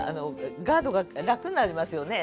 ガードが楽になりますよね。